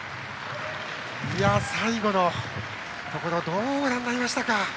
最後のところどうご覧になりましたか。